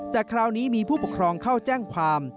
แต่คราวนี้มีผู้ปกครองเข้าแจ้งความ